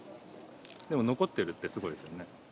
でも残ってるってすごいですよね。